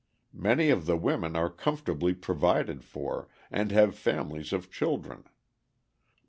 Many of the women are comfortably provided for and have families of children.